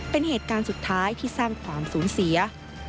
เป็นเหตุการณ์สุดท้ายที่สร้างความสูญเสีย